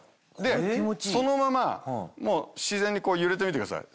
そのまま自然に揺れてみてください。